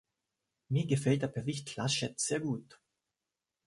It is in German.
Mir gefällt der Bericht Laschet sehr gut.